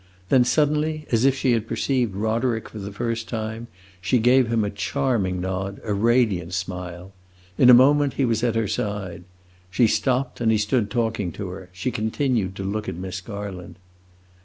Then suddenly, as if she had perceived Roderick for the first time, she gave him a charming nod, a radiant smile. In a moment he was at her side. She stopped, and he stood talking to her; she continued to look at Miss Garland.